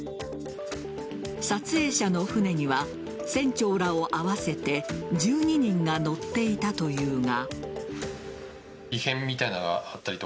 撮影者の船には船長らを合わせて１２人が乗っていたというが。